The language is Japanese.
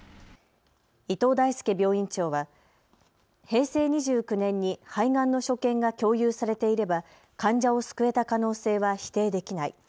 伊藤大輔病院長は平成２９年に肺がんの所見が共有されていれば患者を救えた可能性は否定できない。